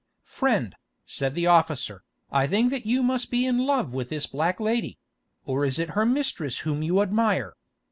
"Friend," said the officer, "I think that you must be in love with this black lady; or is it her mistress whom you admire?